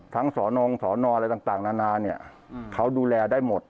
สอนงสอนออะไรต่างนานาเนี่ยเขาดูแลได้หมด